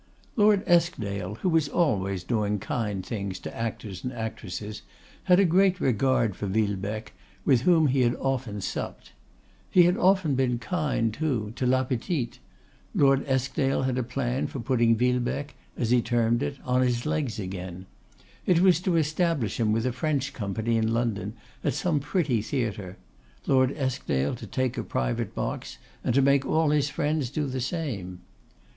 Lord Eskdale, who was always doing kind things to actors and actresses, had a great regard for Villebecque, with whom he had often supped. He had often been kind, too, to La Petite. Lord Eskdale had a plan for putting Villebecque, as he termed it, 'on his legs again.' It was to establish him with a French Company in London at some pretty theatre; Lord Eskdale to take a private box and to make all his friends do the same.